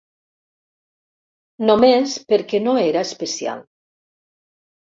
Només perquè no era especial.